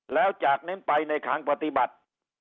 แล้วจากนั้นไปในทางปฏิบัติ